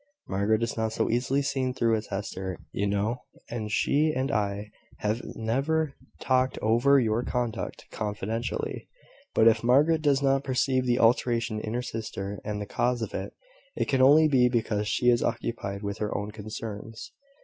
"Margaret is not so easily seen through as Hester, you know; and she and I have never talked over your conduct confidentially: but if Margaret does not perceive the alteration in her sister, and the cause of it, it can only be because she is occupied with her own concerns."